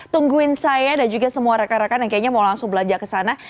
tungguin saya dan juga semua rekan rekan yang kayaknya mau langsung belanja ke sana